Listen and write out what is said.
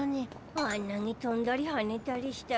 あんなにとんだりはねたりしたら。